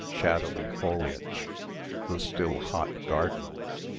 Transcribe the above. shadowy foliage ... the still hot garden